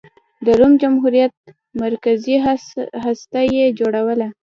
د روم جمهوریت مرکزي هسته یې جوړوله.